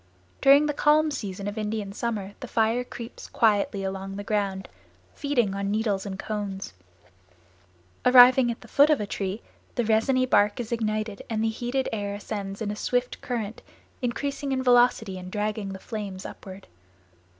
During the calm season of Indian summer the fire creeps quietly along the ground, feeding on the needles and cones; arriving at the foot of a tree, the resiny bark is ignited and the heated air ascends in a swift current, increasing in velocity and dragging the flames upward.